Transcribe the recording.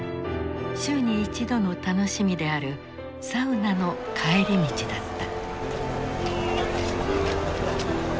週に一度の楽しみであるサウナの帰り道だった。